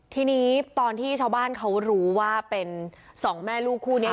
ทีนี้ตอนที่ชาวบ้านเขารู้ว่าเป็นสองแม่ลูกคู่นี้